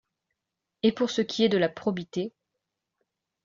Et pour ce qui est de la probité …